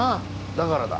だからだ。